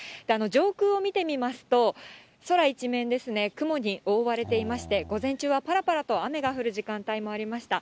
上空を見てみますと、空一面ですね、雲に覆われていまして、午前中はぱらぱらと雨が降る時間帯もありました。